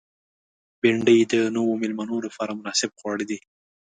بېنډۍ د نوو مېلمنو لپاره مناسب خواړه دي